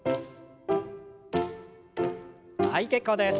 はい結構です。